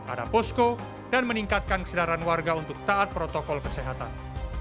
ada posko dan meningkatkan kesedaran warga untuk taat protokol kesehatan